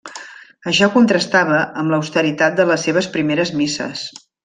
Això contrastava amb l'austeritat de les seves primeres misses.